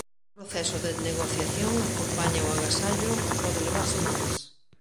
Un proceso de negociación acompaña o agasallo que pode levar semanas.